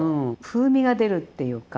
風味が出るっていうか。